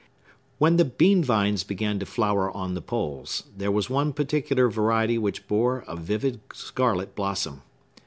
When the bean vines began to flower on the poles, there was one particular variety which bore a vivid scarlet blossom.